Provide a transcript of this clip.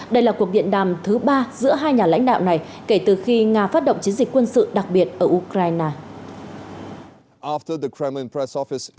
đây là cuộc điện đàm thứ ba giữa hai nhà lãnh đạo này kể từ khi nga phát động chiến dịch quân sự đặc biệt ở ukraine